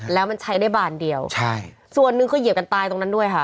แล้วมันใช้ได้บานเดียวใช่ส่วนหนึ่งคือเหยียบกันตายตรงนั้นด้วยค่ะ